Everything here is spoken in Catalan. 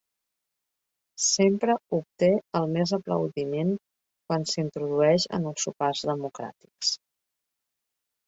Sempre obté el més aplaudiment quan s'introdueix en els sopars democràtics.